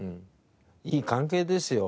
いい関係ですよ